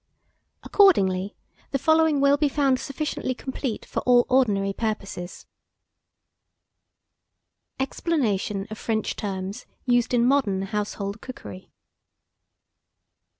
Accordingly, the following will be found sufficiently complete for all ordinary purposes: EXPLANATION OF FRENCH TERMS USED IN MODERN HOUSEHOLD COOKERY.